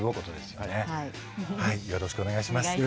よろしくお願いします。